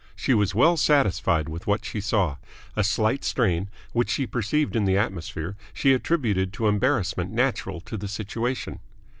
She was well satisfied with what she saw. A slight strain which she perceived in the atmosphere she attributed to embarrassment natural to the situation.